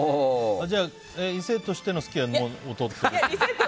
じゃあ異性としての好きはもう劣って？